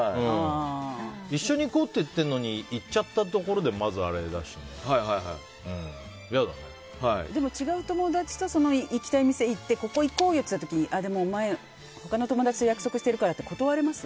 一緒に行こうって言ってるのに行っちゃったところで違う友達と行きたい店行ってここ行こうよって言った時に他のお友達と約束してるから断れます？